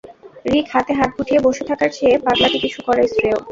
রিক, হাতে-হাত গুটিয়ে বসে থাকার চেয়ে পাগলাটে কিছু করাই শ্রেয়।